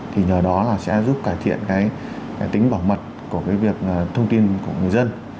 thì nhờ đó là sẽ giúp cải thiện cái tính bảo mật của cái việc thông tin của người dân